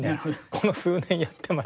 この数年やってまして。